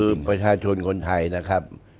คือประชาชนคนไทยนะครับ